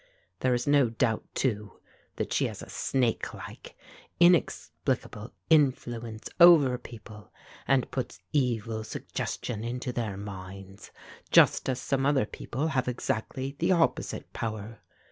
There is no doubt, too, that she has a snakelike inexplicable influence over people and puts evil suggestion into their minds, just as some other people have exactly the opposite power.